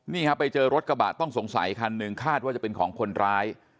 นี่ครับไปเจอรถกระบะต้องสงสัยคันหนึ่งคาดว่าจะเป็นของคนร้าย